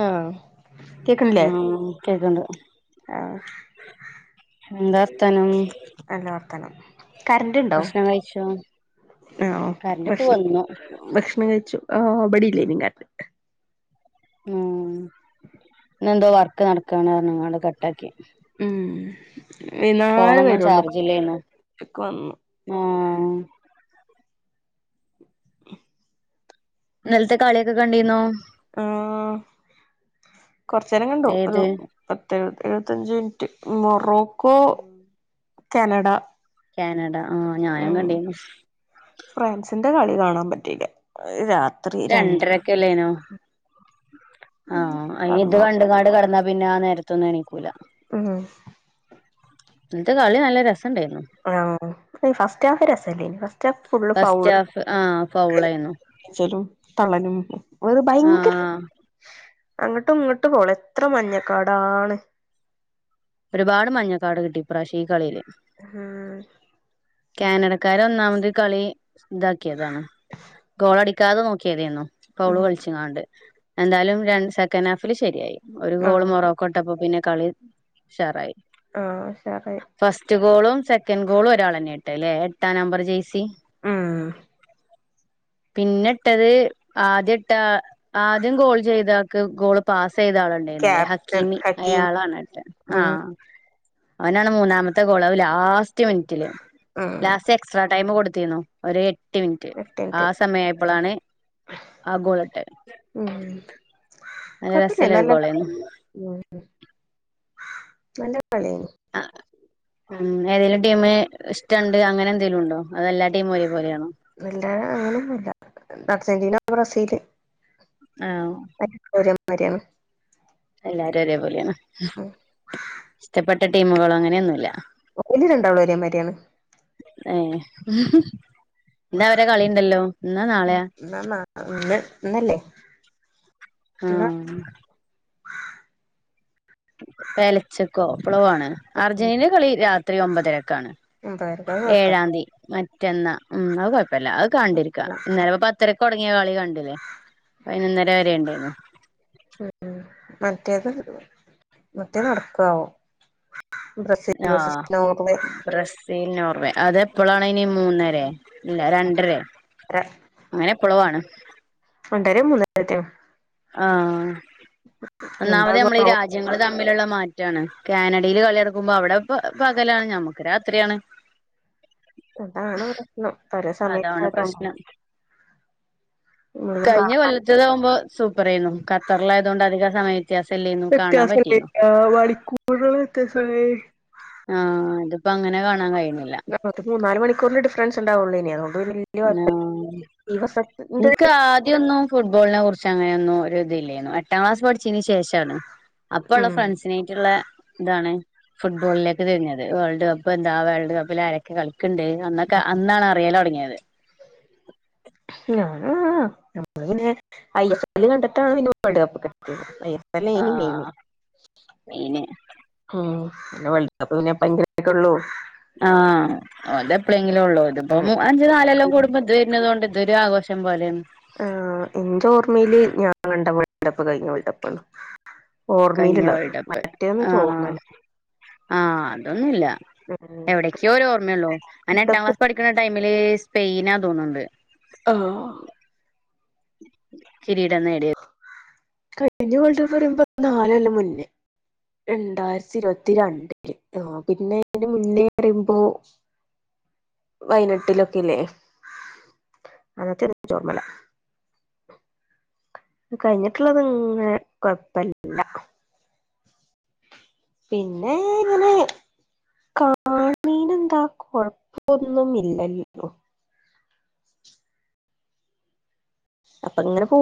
ആഹ് ആഹ കേൾക്കണ്ട് ആഹ എന്താ [unintelligible] നം നല്ല വർത്തനം കറന്റ് ഉണ്ടോ ഭക്ഷണം കഴിച്ചോ ആഹ കറന്റ് ഇപ്പ പക്ഷ വന്നു ഭക്ഷണം കഴിച്ചു ഇബടില്ലേനി കരണ്ട് ആഹ് എന്തോ വർക്ക് നടക്കണ് പറഞ്ഞ് ങ്ങാണ്ട് കട്ടാക്കി ഉം വൈന്നേരെ ഫോണൊന്നും വരോളളൂ ചാർജില്ലേന്നു ഇക്ക‌വന്നു ആഹ് ഇന്നലത്തെ കളിയൊക്കെ കണ്ടിന്നോ ആഹ് കൊറച്ചെരം കണ്ടു ഒരു ഏത് പത്തെഴു എഴുപത്തഞ്ച് മിനിറ്റ് മൊറോക്കോ ക്യാനഡ ക്യാനഡ ആഹ് ഞാനും കണ്ടീനു ഫ്രാൻസിന്റെ കളി കാണാൻ പറ്റില്ല അത് രാത്രി രണ്ട് രണ്ടരക്കല്ലേനോ ആഹ് അയിന് ഇത് കടന്നു കണ്ട്ങ്ങാണ്ട് കടന്നാ പിന്നെ ആ നേരത്തൊന്നും എനീക്കൂല ആഹാ എന്നിട്ട് കളി നല്ല രസം ഉണ്ടായിരുന്നു ആഹ് ഫസ്റ്റ് ഹാഫ് രസല്ലേനി first half full first foul half ആഹ് അല് ഫൗളായിരുന്നു കുത്തലും തള്ളലും ഒര് ഭയങ്കര ആഹ് അങ്ങോട്ടും ഇങ്ങോട്ട് പോള എത്ര മഞ്ഞക്കാടാണ് ഒരുപാട് മഞ്ഞക്കാട് കിട്ടി ഇപ്രാശ്യംഈ കളിയില് ഉം ക്യാനഡക്കാര് ഒന്നാമത് കളി ഇതാക്കിയതാണ് ഗോളടിക്കാതെ നോക്ക്യാതേന്നു ഫൗള് ഉം കളിച്ച്ങ്ങാണ്ട് എന്താലും രണ്ട് സെക്കൻഡ് ഹാഫില് ശെരിയായി ഒരു ഗോള് ആഹ് മോറോ ക്കൊട്ടപ്പൊ പിന്നെ കളി ഉശാറായി ആഹ് ഉശാറായി ഫസ്റ്റ് ഗോളും, സെക്കൻഡ് ഗോളും, ഒരാളെന്നെ ഇട്ടല്ലെ എട്ടാം നമ്പർ ജേസി ഉം പിന്നെ ഇട്ടത് ആദ്യം ഇട്ടാ ആദ്യം ഗോൾ ചെയ്താക്ക് ഗോള് പാസൈയ്ത ആളുണ്ടേന്നില്ലേ ക്യാപ്റ്റൻ ഹക്കീമി ഹക്കീം അയാളാണ് ഇട്ടേ ഉം ആഹ് അവനാണ് മൂന്നാമത്തെ ഗോള് അത് ലാസ്റ്റ് മിനിറ്റില് ഉം ലാസ് എക്സ്ട്രാടൈം കൊടുത്തിന്നു ഒര് എട്ട് മിനിറ്റ് ആ എട്ടിൻറ്റ് സമയായപ്പളാണ് ആ ഗോളിട്ടെ ഉം നല്ല കൊയപ്പല്ല രസല്ല ഒരു നല്ല ഗോളായിരുന്നു കളിയെന്നു ഉം നല്ല കളിയനു ആഹ് ഉം ഏതേലും ടീമ് ഇഷ് ട്ടംണ്ട് അങ്ങനെന്തേലും ഉണ്ടോ അതോ എല്ലാ ടീമും ഒരേപോലെയാണോ ഇല്ലാ അങ്ങനൊന്നുംഇല്ല അർജന്റീന, ബ്രസീല്, ആഹ് ഒരേ മാര്യാണ് എല്ലാരും ഒരേപോലേണ് ഉം ഇഷ്ടപ്പെട്ട ടീമുകളോ അങ്ങനെയൊന്നുംല്ല ഒക്കെനി രണ്ടാളും ഒരേ മാരിആണ് ഏഹ് ഇന്നാ അവരെ കളിണ്ടല്ലോ ഇന്നാ നാളെയാ ഇന്നാ നാ ഇന്ന് ഇന്നല്ലേ ആഹ് ഇന്നാ ആഹ് പെലച്ച്ക്കോ എപ്ലോ ആണ് അർജന്റീനേ കളി രാത്രി ഒമ്പതരക്കാണ് വെറുതെ കൊഴപ്പല്ല ഏഴാന്തി മറ്റന്നാ ഉം ഔ കൊഴപ്പല്ല അത് കണ്ടിരിക്ക അല്ല ഇന്നലെപ്പോ പ ത്തരക്ക് തോടങ്ങ്യ കളി കണ്ടില്ലേ പൈനൊന്നര വെരെണ്ടേന്നു ഉം ഉം മറ്റേത് മറ്റേത് നടക്കാവോ ആഹ് [unintelligible] ബ്രസീൽ നോർവേ അതെപ്പോളാണിനി മൂന്നരേ ഇല്ലാ രണ്ടരേ അരേ അങ്ങനെപ്പളൊആണ് രണ്ടറെ മൂന്നാരേറ്റോ ആഹ ഒന്നാമത് നമ്മളീ എന്താകുവോ രാജ രാജ്യങ്ങള് തമ്മിലുള്ള മാറ്റാണ് കാനഡയില് കളിഅടക്കുമ്പോൾ അവിടെപ്പൊ പകലാണ് നമുക്ക് രാത്രിയാണ് അതാണ് പ്രശ്നം പലേ അതാണ് സമയത്തയതൊണ്ടേ പ്രശ്നം കഴിഞ്ഞ കൊല്ലത്തതാവുമ്പോ സൂപ്പറേന്നു ഖത്തറിലായതോണ്ട് അധികം സമയം വ്യത്യാസല്ലെന്നു വെത്യാസം ണ്ടെന്നു മണിക്കൂർള് വ്യത്യാസ ള്ളേനി ആഹ് ഇതിപ്പോ അങ്ങനെ കാണാൻ കഴിയുന്നില്ല മൊത്തത്തി മൂന്നാല് മണിക്കൂറിന്റെ ഡിഫറൻസ് ഉണ്ടാവുള്ളെനി അതുകൊണ്ട് പിന്നെ വല്യ ആ കുഴപ്പല്ല ഈ വർഷത്തിന്റെ ഇൻക്ക് ആദ്യൊന്നും ഫുട്ബോളിനെ കുറിച്ച് അങ്ങനൊന്നും ഒരു ഇതില്ലേരുന്നു എട്ടാം ക്ലാസ് പഠിച്ചേന് ശേഷാണ് അപ്പൊള്ളാ ഉം ഫ്രണ്ട്സിനേയ്ട്ടുള്ളേ ഇതാണ് ഫുട്ബോളിലേക്ക് തിരിഞ്ഞത് വേൾഡ് കപ്പ് എന്താ വേൾഡ് കപ്പിലരൊക്കേ ക്കെ കളിക്ക്ണ്ട് അന്നൊക്കെ അന്നാണ് അറിയലൊടങ്ങ്യത് ഞാനു ഞമ്മള് പിന്നെ ഐ എസ് എല്ല് കണ്ടിട്ടാണ് പിന്നെ വേൾഡ് കപ്പൊക്കെ ഐ എസ്‌ അല്ലെനി മൈന്‌ ആഹ് മെയിന് ഉം പിന്നെ വേൾഡ് കപ്പ് പിനെ പങ്കരക്ക ഉള്ളൂ ആഹ് അത എപ്പോഴെങ്കിലും ഉള്ളൂ ഇതിപ്പോ അഞ്ചു നാലെല്ലാം കൂടുമ്പോ ഇത് വരുന്നുന്നത് കൊണ്ട് ഇതൊരു ആഘോഷം പോലെയാണ് ആഹ് എന്റെ ഓർമയില് ഞാൻ കണ്ട വേൾഡ് കപ്പ് കഴിഞ്ഞ വേൾഡപ്പാണ് കഴിഞ്ഞ ഓർമ്മേലുള്ളത് മറ്റേന്ന് ഇച്ച് ഓർമ്മല്ല ആഹ അതൊന്നുല്ല ഉം എവിടെ ഒരോർമ്മയള്ളോ എട്ടാം വേൾഡ് കപ്പ് ക്ലാസ് പഠിക്കുന്ന ടൈമില് സ്പെയിനാ തോന്നുണ്ട് ആഹ് കിരീടം നേടിയ [inaudible] കഴിഞ്ഞ വേൾഡപ്പ് പറയുമ്പോ നാലൊല്ലം മുന്നേ രണ്ടായിരത്തി ഇരുപത്തിരണ്ടില് ആഹ് പിന്നെ അയ്ന്റെ മുന്നേ പറയുമ്പോ അ [inaudible] പൈനിട്ടിലൊക്കെ ല്ലേ അന്നത്തെച്ചോർമ്മല കഴിഞ്ഞിട്ടുള്ളത് ഇങ്ങനെ കൊഴപ്പില്ല പിന്നെ ഇങ്ങനെ കാണീനെന്താ കൊഴപ്പൊന്നു ഇല്ലല്ലോ അപ്പൊ ഇങ്ങനെ പോ